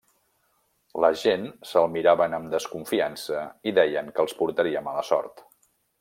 La gent se'l miraven amb desconfiança i deien que els portaria mala sort.